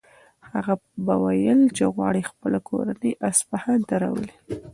هغه به ویل چې غواړي خپله کورنۍ اصفهان ته راولي.